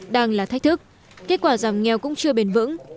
đang là thách thức kết quả giảm nghèo cũng chưa bền vững